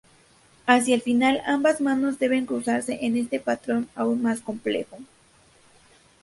Hacia el final ambas manos deben cruzarse en un patrón aún más complejo.